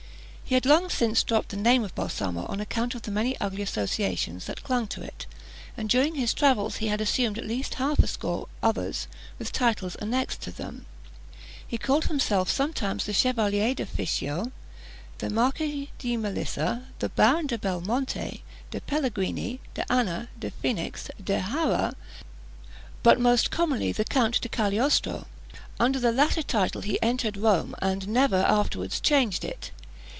He had long since dropped the name of Balsamo on account of the many ugly associations that clung to it; and during his travels had assumed at least half a score others, with titles annexed to them. He called himself sometimes the Chevalier de Fischio, the Marquis de Melissa, the Baron de Belmonte, de Pelligrini, d'Anna, de Fenix, de Harat, but most commonly the Count de Cagliostro. Under the latter title he entered Rome, and never afterwards changed it.